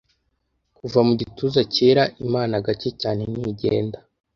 kuva mu gituza cyera imana gake cyane ntigenda